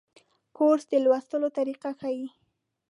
کورس د لوستلو طریقه ښيي.